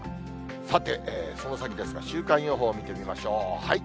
さて、その先ですが、週間予報見てみましょう。